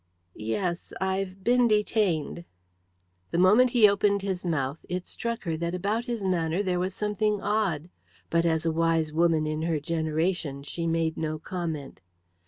"Yes; I've been detained." The moment he opened his mouth it struck her that about his manner there was something odd. But, as a wise woman in her generation, she made no comment.